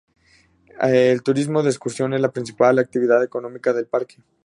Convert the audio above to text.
El turismo de excursión, es la principal actividad económica del parque.